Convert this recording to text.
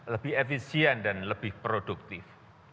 lebih efisien dan lebih produktif